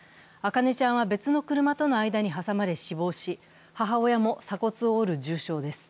茜ちゃんは別の車との間に挟まれ、死亡し、母親も鎖骨を折る重傷です。